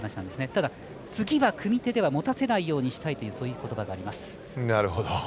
ただ、次は組み手では持たせないようにしたいとそういうことばがあります。